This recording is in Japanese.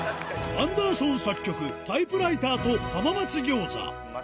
アンダーソン作曲、タイプライターと浜松餃子。